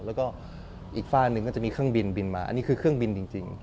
แล้วก็อีกฝ้าหนึ่งก็จะมีเครื่องบินบินมาอันนี้คือเครื่องบินจริง